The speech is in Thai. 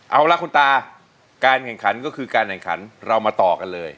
เอาล่ะคุณตาการแข่งขันก็คือการแข่งขันเรามาต่อกันเลย